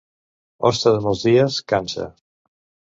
Hoste de molts dies, cansa.